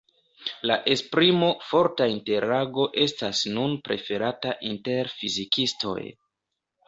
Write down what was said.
La esprimo "forta interago" estas nun preferata inter fizikistoj.